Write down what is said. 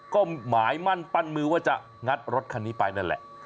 ก็หมายมั่นปั้นมือว่าจะงัดรถคันนี้ไปนั่นแหละ